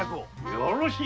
よろしい！